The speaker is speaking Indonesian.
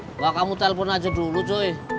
enggak kamu telpon aja dulu joy